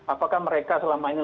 apakah mereka selama ini